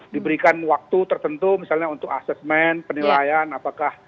diberikan waktu tertentu misalnya untuk asesmen penilaian apakah